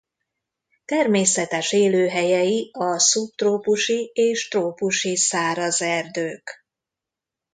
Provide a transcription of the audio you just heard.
Természetes élőhelyei a szubtrópusi és trópusi száraz erdők.